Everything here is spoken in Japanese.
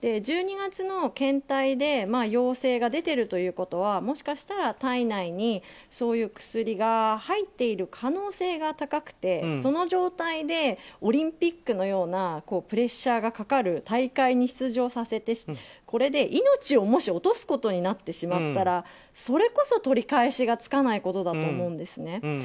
１２月の検体で陽性が出ているということはもしかしたら、体内にそういう薬が入っている可能性が高くて、その状態でオリンピックのようなプレッシャーがかかる大会に出場させて、命をもし落とすことになってしまったらそれこそ取り返しがつかないことだと思うんですね。